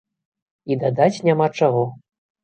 І дадаць няма чаго!